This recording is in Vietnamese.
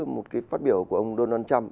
một cái phát biểu của ông donald trump